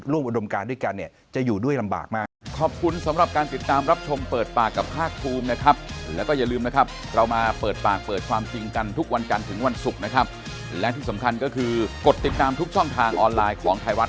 ร่วมอดรมการด้วยกันจะอยู่ด้วยลำบากมาก